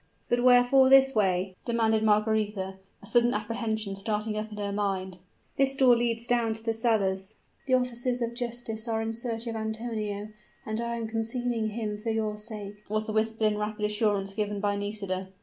"But wherefore this way?" demanded Margaretha, a sudden apprehension starting up in her mind. "This door leads down to the cellars." "The officers of justice are in search of Antonio and I am concealing him for your sake," was the whispered and rapid assurance given by Nisida.